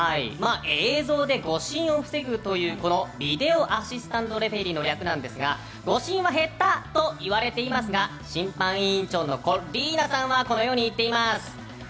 映像で誤審を防ぐというビデオアシスタントレフェリーの略ですが誤審は減ったといわれていますが審判委員長のコッリーナさんはこのように言っています。